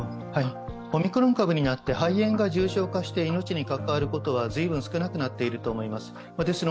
オミクロン株になって肺炎が重症化して命に関わることは随分少なくなっていると思います。